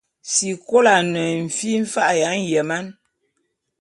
Sikolo ane fi mfa’a ya nyeman.